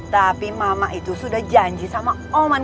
tapi mama itu sudah janji sama oman